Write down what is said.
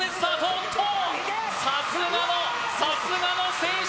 おっとさすがのさすがの選手